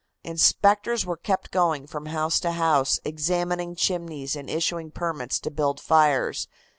Inspectors were kept going from house to house, examining chimneys and issuing permits to build fires.